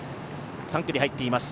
３区に入っています。